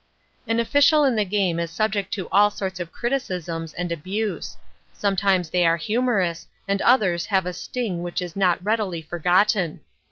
An official in the game is subject to all sorts of criticisms and abuse. Sometimes they are humorous and others have a sting which is not readily forgotten.